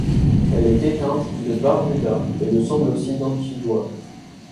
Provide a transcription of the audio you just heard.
Elle est éteinte de Barbuda et le semble aussi d'Antigua.